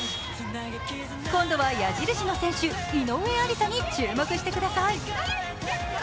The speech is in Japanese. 今度は矢印の選手、井上愛里沙に注目してください。